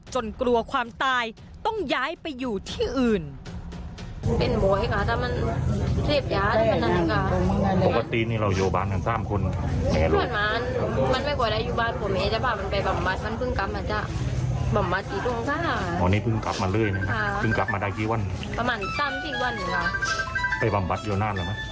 กลัวความตายต้องย้ายไปอยู่ที่อื่น